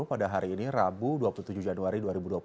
pada hari ini rabu dua puluh tujuh januari dua ribu dua puluh satu